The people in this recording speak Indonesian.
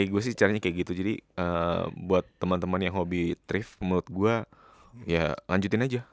ya gue sih caranya kayak gitu jadi buat temen temen yang hobi thrift menurut gue ya lanjutin aja